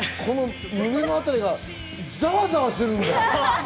胸のあたりがざわざわするんだよ。